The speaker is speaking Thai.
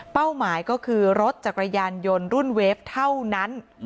หมายก็คือรถจักรยานยนต์รุ่นเวฟเท่านั้น